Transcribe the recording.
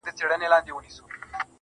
لکه انار دانې، دانې د ټولو مخته پروت يم